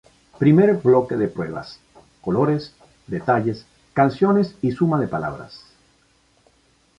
Primer bloque de pruebas: colores, detalles, canciones y suma de palabras.